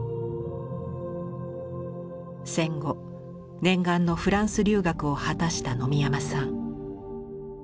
戦後念願のフランス留学を果たした野見山さん。